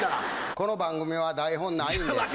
この番組は台本ないんです。